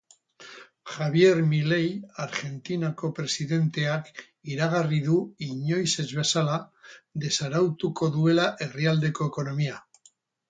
Javier Milei Argentinako presidenteak iragarri du inoiz ez bezala desarautuko duela herrialdeko ekonomia.